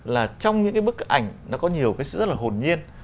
là trong những cái bức ảnh nó có nhiều cái sự rất là hồn nhiên